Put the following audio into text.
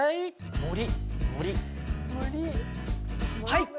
はい！